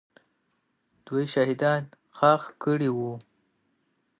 دوی شهیدان ښخ کړي وو.